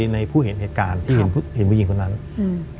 ในผู้เห็นเหตุการณ์ที่เห็นเห็นผู้หญิงคนนั้นอืม